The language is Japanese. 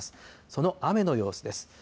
その雨の様子です。